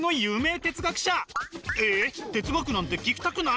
哲学なんて聞きたくない？